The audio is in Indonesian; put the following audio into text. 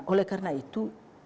oleh karena itu